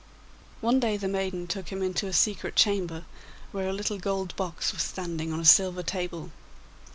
One day the maiden took him into a secret chamber, where a little gold box was standing on a silver table.